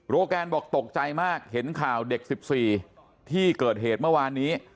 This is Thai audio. แกนบอกตกใจมากเห็นข่าวเด็ก๑๔ที่เกิดเหตุเมื่อวานนี้